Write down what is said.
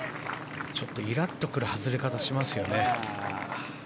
ちょっとイラッとくる外れ方をしますよね。